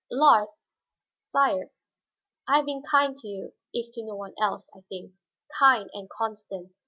Allard " "Sire?" "I have been kind to you, if to no one else, I think. Kind, and constant.